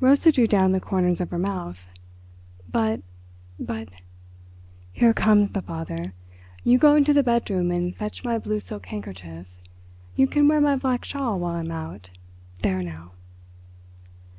Rosa drew down the corners of her mouth. "But... but...." "Here comes the father. You go into the bedroom and fetch my blue silk handkerchief. You can wear my black shawl while I'm out—there now!"